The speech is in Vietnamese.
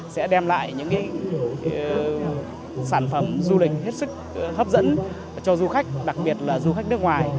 sẽ đem lại những sản phẩm du lịch hết sức hấp dẫn cho du khách đặc biệt là du khách nước ngoài